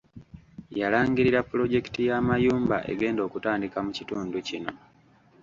Yalangirira pulojekiti y’amayumba egenda okutandika mu kitundu kino.